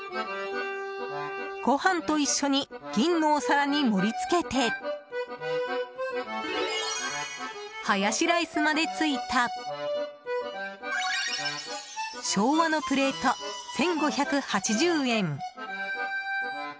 ご飯と一緒に銀のお皿に盛り付けてハヤシライスまで付いた昭和のプレート、１５８０円。